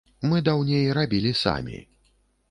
Мы даўней рабілі самі.